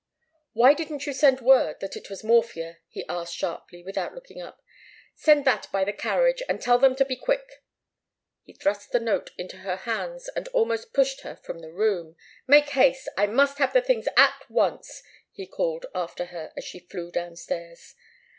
"Why didn't you send word that it was morphia?" he asked, sharply, without looking up. "Send that by the carriage, and tell them to be quick!" He thrust the note into her hands and almost pushed her from the room. "Make haste! I must have the things at once!" he called after her as she flew downstairs.